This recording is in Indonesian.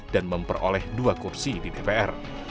dan memperoleh dua kursi di dpr